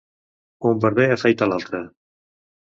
Un barber afaita l'altre.